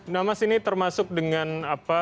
nah mas ini termasuk dengan apa